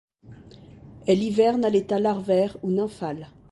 Elle hiverne à l'état larvaire ou nymphal.